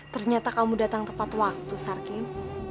ternyata kamu datang tepat waktu sarkin